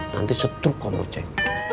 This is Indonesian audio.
nanti setruk kamu cek